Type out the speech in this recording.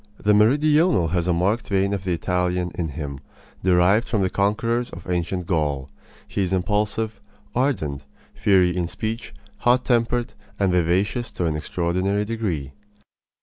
The meridional has a marked vein of the Italian in him, derived from the conquerors of ancient Gaul. He is impulsive, ardent, fiery in speech, hot tempered, and vivacious to an extraordinary degree.